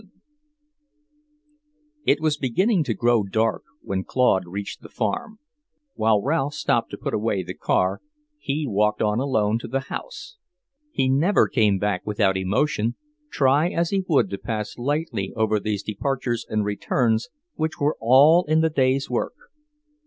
VII It was beginning to grow dark when Claude reached the farm. While Ralph stopped to put away the car, he walked on alone to the house. He never came back without emotion, try as he would to pass lightly over these departures and returns which were all in the day's work.